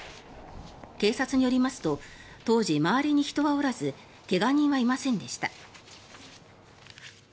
警察によりますと当時、周りに人はおらず怪我人はいませんでした。